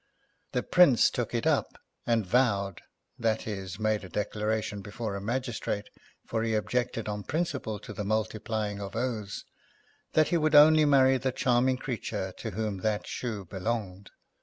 The Prince took it up, and vowed — that is, made a declaration before a magis trate; for he objected on principle to the multiplying of oaths — that he would only marry the charming creature to whom that shoe belonged.